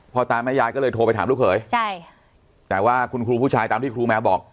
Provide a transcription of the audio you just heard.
ตาแม่ยายก็เลยโทรไปถามลูกเขยใช่แต่ว่าคุณครูผู้ชายตามที่ครูแมวบอก